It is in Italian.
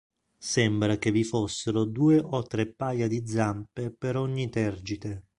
Sembra che vi fossero due o tre paia di zampe per ogni tergite.